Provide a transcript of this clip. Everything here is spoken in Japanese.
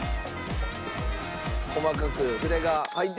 細かく筆が入って。